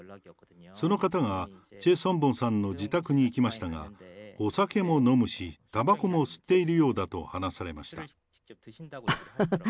その方が、チェ・ソンボンさんの自宅に行きましたが、お酒も飲むし、たばこも吸っているようだと話されました。